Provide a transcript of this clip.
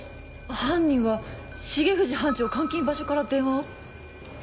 犯人は重藤班長監禁場所から電話を？